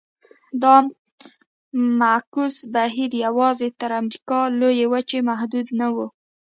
دا معکوس بهیر یوازې تر امریکا لویې وچې محدود نه و.